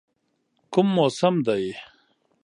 کوم موسم دی؟